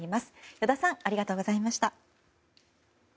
依田さんありがとうございました。